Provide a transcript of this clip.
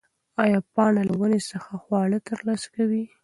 ایا پاڼه له ونې څخه خواړه ترلاسه کوي؟